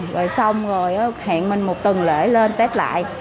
rồi xong rồi hẹn mình một tuần lễ lên tết lại